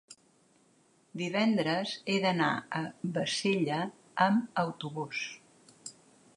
divendres he d'anar a Bassella amb autobús.